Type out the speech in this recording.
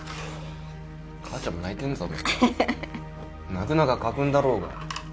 「泣くな」が家訓だろうが。